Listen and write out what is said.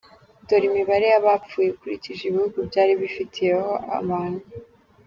Dore imibare y’abapfuye ukurikije ibihugu byari bifiteyo abantu:.